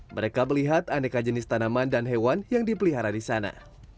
mereka melihat aneka jenis tanaman dan hewan yang dipelihara di sana